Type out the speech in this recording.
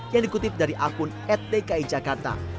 yang dikutip dari akun atdki jakarta